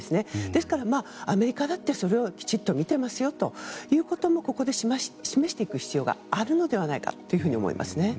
ですから、アメリカだってそれをきちんと見ていますよということもここで示していく必要があるのではないかと思いますね。